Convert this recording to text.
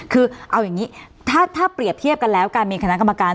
คือเอาอย่างนี้ถ้าเปรียบเทียบกันแล้วการมีคณะกรรมการ